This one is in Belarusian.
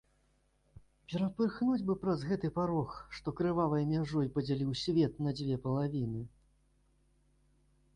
Перапырхнуць бы праз гэты парог, што крывавай мяжой падзяліў свет на дзве палавіны!